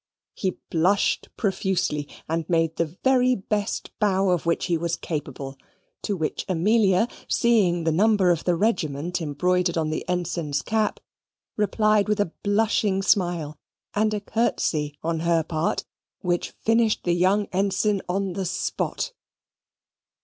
He blushed profusely, and made the very best bow of which he was capable; to which Amelia, seeing the number of the the regiment embroidered on the Ensign's cap, replied with a blushing smile, and a curtsey on her part; which finished the young Ensign on the spot.